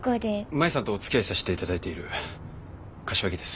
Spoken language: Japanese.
舞さんとおつきあいさしていただいてる柏木です。